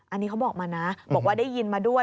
อันนี้เขาบอกมานะบอกว่าได้ยินมาด้วย